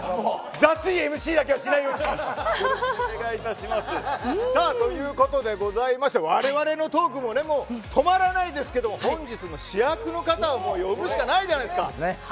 雑いＭＣだけはしないようにします。ということでございましてわれわれのトークも止まらないですけども本日の主役の方を呼ぶしかないじゃないですか。